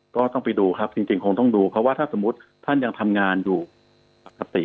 ก็ต้องไปดูครับจริงคงต้องดูเพราะว่าถ้าสมมุติท่านยังทำงานอยู่ปกติ